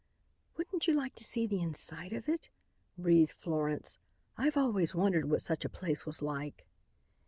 "Wouldn't you like to see the inside of it?" breathed Florence. "I've always wondered what such a place was like."